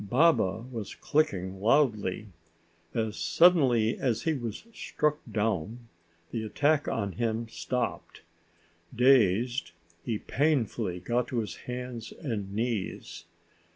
Baba was clicking loudly. As suddenly as he was struck down, the attack on him stopped. Dazed, he painfully got to his hands and knees.